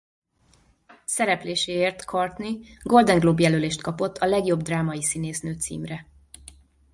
Szerepléséért Courtney Golden Globe jelölést kapott a legjobb drámai színésznő címre.